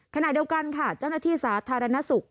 ขณะเดียวกันค่ะเจ้าหน้าที่สาธารณสุข